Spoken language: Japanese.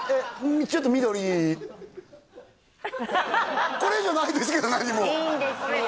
ちょっと緑これ以上ないですけど何もいいんですよ